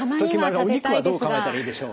お肉はどう考えたらいいでしょう？